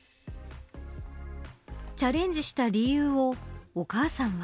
チャレンジした理由をお母さんは。